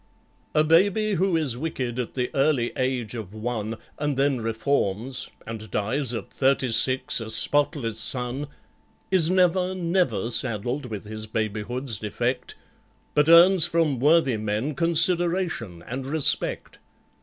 "A baby who is wicked at the early age of one, And then reforms—and dies at thirty six a spotless son, Is never, never saddled with his babyhood's defect, But earns from worthy men consideration and respect.